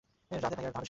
রাধে ভাইয়া তাহলে শেষ!